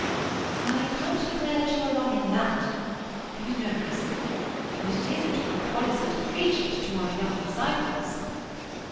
"I can't declare that you are wrong in that. Who knows? But it isn't good policy to preach it to our young disciples."